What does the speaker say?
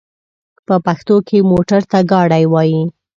په پښتو کې موټر ته ګاډی وايي.